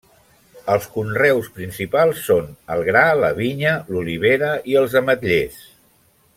Els conreus principals són el gra, la vinya, l'olivera i els ametllers.